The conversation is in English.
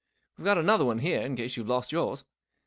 I've got another one here, in case you've lost yours.